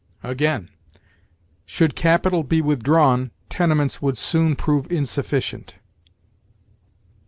Again: "Should capital be withdrawn, tenements would soon prove insufficient."